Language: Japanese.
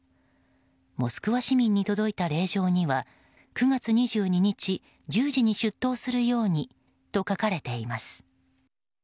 モスクワ市民に届いた令状には９月２２日１０時に出頭するようにと書かれています。